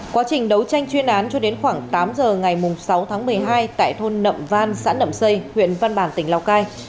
quá trình đấu tranh chuyên án cho đến khoảng tám giờ ngày sáu tháng một mươi hai tại thôn nậm van xã nậm xây huyện văn bàn tỉnh lào cai